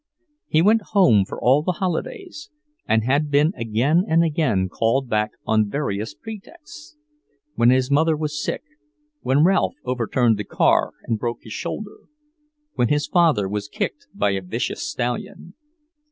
He went home for all the holidays, and had been again and again called back on various pretexts; when his mother was sick, when Ralph overturned the car and broke his shoulder, when his father was kicked by a vicious stallion.